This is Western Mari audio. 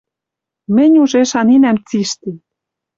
«Мӹнь уже шаненӓм цишти